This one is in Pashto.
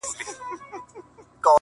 سینه غواړمه چي تاب د لمبو راوړي،